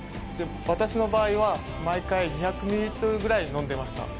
私の場合は毎回２００ミリリットルぐらい飲んでいました。